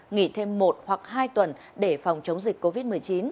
nghỉ thêm một hoặc hai tuần để phòng chống dịch covid một mươi chín